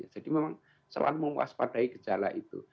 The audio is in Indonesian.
jadi memang soal memuas padai gejala itu